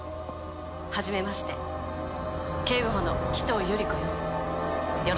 はじめまして警部補の鬼頭ゆり子よ。